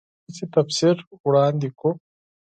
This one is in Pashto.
د دین داسې تفسیر وړاندې کړو.